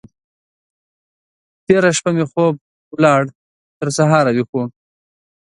تېره شپه مې خوب ولاړ؛ تر سهار ويښ وم.